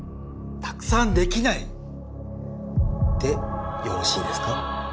「たくさんできない」でよろしいですか？